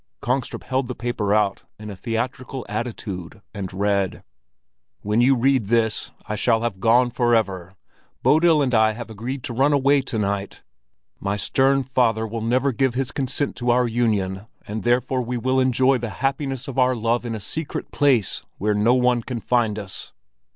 Kongstrup held the paper out in a theatrical attitude and read: "When you read this, I shall have gone forever. Bodil and I have agreed to run away to night. My stern father will never give his consent to our union, and therefore we will enjoy the happiness of our love in a secret place where no one can find us.